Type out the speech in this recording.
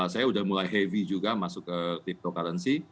saya sudah mulai heavy juga masuk ke cryptocurrency